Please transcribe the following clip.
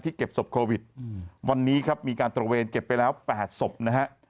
เก็บศพโควิดวันนี้ครับมีการตระเวนเก็บไปแล้ว๘ศพนะฮะ